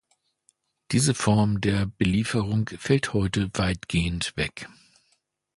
Diese Form der Belieferung fällt heute weitgehend weg.